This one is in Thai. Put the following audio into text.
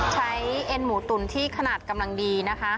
เอ็นหมูตุ๋นที่ขนาดกำลังดีนะคะ